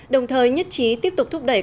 đồng thời nhất trí tiếp tục thúc đẩy